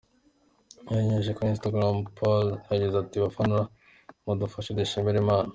Abinyujije kuri Instagram Paul yagize ati, “Bafana mudufashe dushimire Imana.